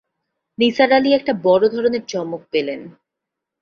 নিসার আলি একটা বড় ধরনের চমক পেলেন।